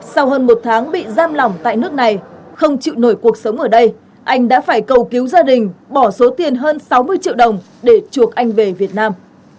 sau hơn một tháng bị giam lỏng tại nước này không chịu nổi cuộc sống ở đây anh đã phải cầu cứu gia đình bỏ số tiền hơn sáu mươi triệu đồng để chuộc anh về việt nam